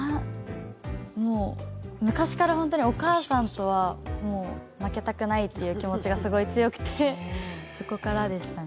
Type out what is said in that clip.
昔からお母さんとは負けたくないという気持ちがすごい強くて、そこからでしたね。